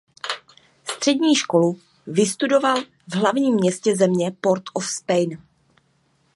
Střední školu vystudoval v hlavním městě země Port of Spain.